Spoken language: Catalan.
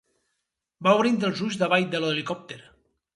Va obrint els ulls davall de l’helicòpter.